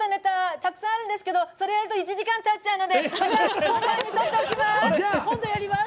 たくさんあるんですけどそれやると１時間たつので本番にとっておきます！